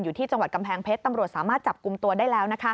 ที่จังหวัดกำแพงเพชรตำรวจสามารถจับกลุ่มตัวได้แล้ว